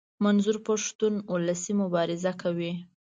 منظور پښتون اولسي مبارزه کوي.